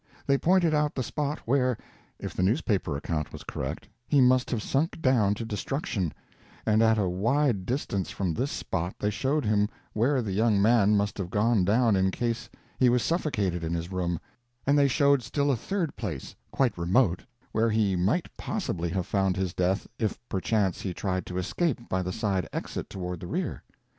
They pointed out the spot where, if the newspaper account was correct, he must have sunk down to destruction; and at a wide distance from this spot they showed him where the young man must have gone down in case he was suffocated in his room; and they showed still a third place, quite remote, where he might possibly have found his death if perchance he tried to escape by the side exit toward the rear.